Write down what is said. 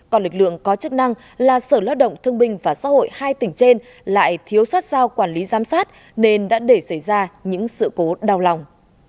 còn lực lượng có chức năng là sở lao động thương binh và xã hội hai tỉnh trên lại thiếu sát sao quản lý giám sát nên đã để xảy ra những sự cố đau lòng